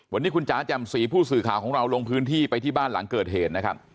วันนี้คุณจ๋าแจ่มสีผู้สื่อข่าวของเราลงพื้นที่ไปที่บ้านหลังเกิดเหตุนะครับ